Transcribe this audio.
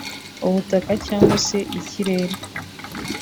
ubutaka cyangwa se ikirere